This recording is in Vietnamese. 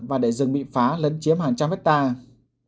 và để rừng bị phá lấn chiếm hàng trăm hectare